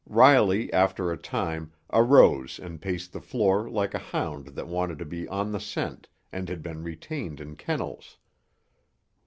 Riley, after a time, arose and paced the floor like a hound that wanted to be on the scent and had been retained in kennels.